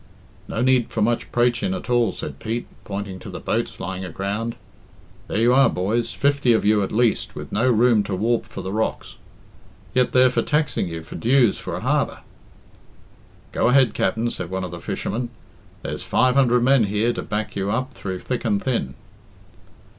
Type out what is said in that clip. "No need for much praiching at all," said Pete, pointing to the boats lying aground. "There you are, boys, fifty of you at the least, with no room to warp for the rocks. Yet they're for taxing you for dues for a harbour." "Go ahead, Capt'n," said one of the fishermen; "there's five hundred men here to back you up through thick and thin."